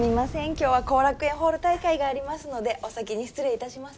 今日は後楽園ホール大会がありますのでお先に失礼いたします